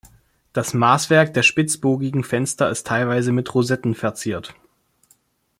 Das Maßwerk der spitzbogigen Fenster ist teilweise mit Rosetten verziert.